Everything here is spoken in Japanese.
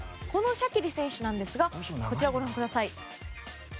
シャキリ選手ですがこちらご覧ください。